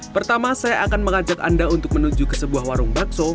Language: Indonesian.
pertama saya akan mengajak anda untuk menuju ke sebuah warung bakso